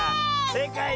せいかい。